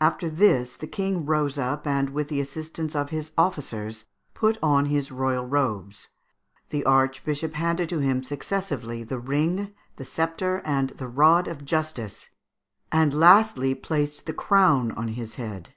After this the King rose up, and with the assistance of his officers, put on his royal robes. The Archbishop handed to him successively the ring, the sceptre, and the rod of justice, and lastly placed the crown on his head.